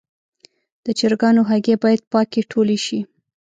د چرګانو هګۍ باید پاکې ټولې شي.